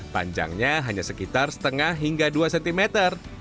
panjangnya hanya sekitar setengah hingga dua cm